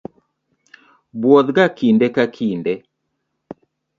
buoth ga kinde ka kinde.